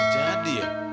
sudah jadi ya